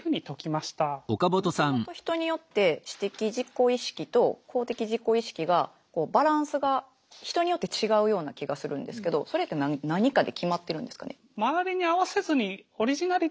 もともと人によって私的自己意識と公的自己意識がバランスが人によって違うような気がするんですけどそれって何かで決まってるんですかね？